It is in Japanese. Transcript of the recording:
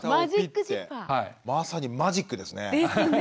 まさにマジックですね。